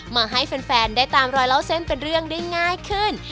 มาให้แฟนได้ตามรอยเล่าเส้นเป็นเรื่องได้ง่ายขึ้น